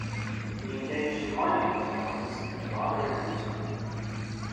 He engaged in mining enterprises in Nevada and Utah.